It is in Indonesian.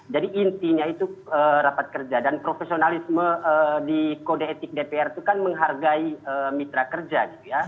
jadi intinya itu rapat kerja dan profesionalisme di kode etik dpr itu kan menghargai mitra kerja